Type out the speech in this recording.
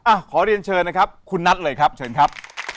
ขอเรียนเชิญนะครับคุณนัทเลยครับเชิญครับ